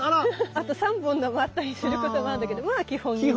あと３本のもあったりすることもあるんだけどまあ基本２ね。